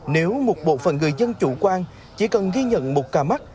nếu một bộ phận người dân chủ quan chỉ cần ghi nhận một ca mắc